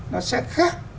nó sẽ khác